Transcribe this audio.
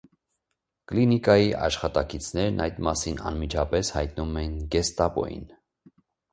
Կլինիկայի աշխատակիցներն այդ մասին անմիջապես հայտնում են գեստապոյին։